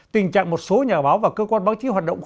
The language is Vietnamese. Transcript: tình trạng một số nhà báo và cơ quan báo chí hoạt động